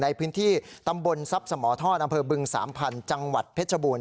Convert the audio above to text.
ในพื้นที่ตำบลทรัพย์สมทอดอำเภอบึงสามพันธุ์จังหวัดเพชรบูรณ